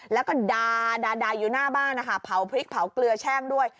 แล้วก็ดาอยู่หน้าบ้านนะคะเผาพริกเผาเกลือแช่งด้วย